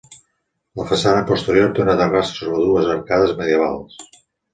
La façana posterior té una terrassa sobre dues arcades medievals.